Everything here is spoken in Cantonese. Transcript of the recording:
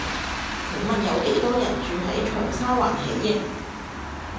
請問有幾多人住喺長沙灣喜盈